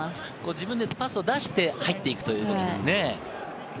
自分でパスを出して入っていくという動きですね。